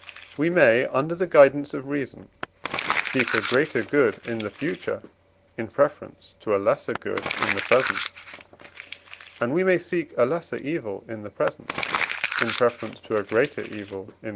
We may, under the guidance of reason, seek a greater good in the future in preference to a lesser good in the present, and we may seek a lesser evil in the present in preference to a greater evil in the future.